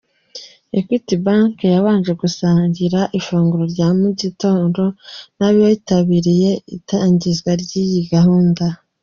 Equity Bank yabanje gusangira ifunguro rya mu gitondo n'abitabiriye itangizwa ry'iyi gahunda.